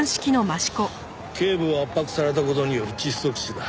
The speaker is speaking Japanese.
頸部を圧迫された事による窒息死だ。